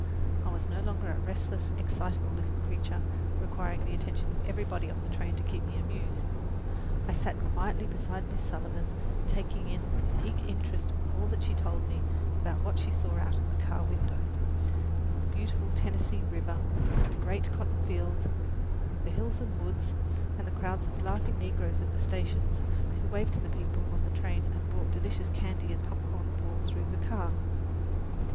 I was no longer a restless, excitable little creature, requiring the attention of everybody on the train to keep me amused. I sat quietly beside Miss Sullivan, taking in with eager interest all that she told me about what she saw out of the car window: the beautiful Tennessee River, the great cotton fields, the hills and woods, and the crowds of laughing negroes at the stations, who waved to the people on the train and brought delicious candy and popcorn balls through the car.